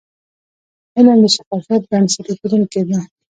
علم د شفافیت بنسټ ایښودونکی د.